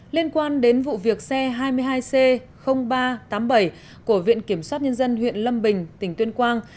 liên quan đến vụ việc xe hai mươi hai c ba trăm tám mươi bảy của viện kiểm soát nhân dân huyện lâm bình tỉnh tuyên quang